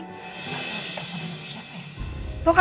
nggak salah kita panggil sama siapa ya